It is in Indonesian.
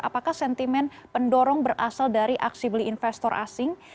apakah sentimen pendorong berasal dari aksi beli investor asing